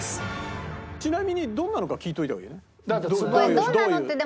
ちなみにどんなのか聞いておいた方がいいよね。